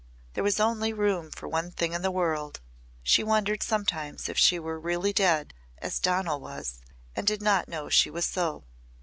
There was only room for one thing in the world. She wondered sometimes if she were really dead as Donal was and did not know she was so.